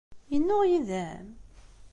Yennuɣ yid-m?